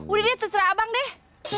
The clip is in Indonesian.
udah lihat terserah abang deh